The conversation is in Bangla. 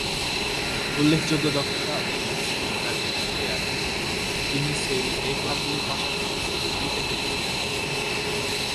উল্লেখযোগ্য দক্ষতা ও দৃষ্টিভঙ্গি সহ একজন প্লেয়ার, তিনি সেরি এ ক্লাবগুলির পাশাপাশি সেরি বি তে খেলেছিলেন।